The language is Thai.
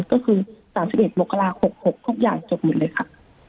ก็คือ๓๑มกรา๖๖ทุกอย่างจบหมดเลยค่ะ